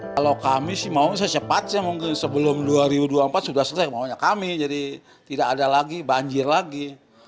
kalau kami sih mau secepatnya mungkin sebelum dua ribu dua puluh empat sudah selesai maunya kami jadi tidak ada lagi banjir lagi